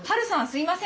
すいません。